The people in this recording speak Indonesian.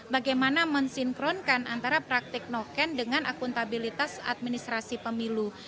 bagaimana mensinkronkan antara praktik noken dengan akuntabilitas administrasi pemilu